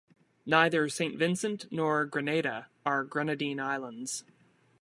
Neither Saint Vincent nor Grenada are Grenadine islands.